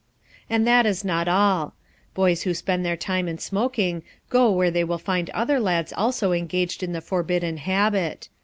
And that is not all. Boys who spend their time in smoking go where they will find other lads also engaged in the forbidden habit.